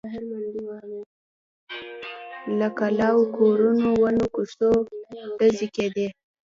له کلاوو، کورونو، ونو، کوڅو… ډزې کېدې.